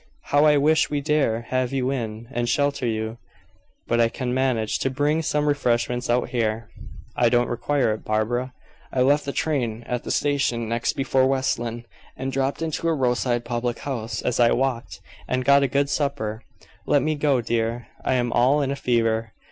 "How I wish we dare have you in, and shelter you. But I can manage to bring some refreshments out here." "I don't require it, Barbara. I left the train at the station next before West Lynne, and dropped into a roadside public house as I walked, and got a good supper. Let me go, dear, I am all in a fever."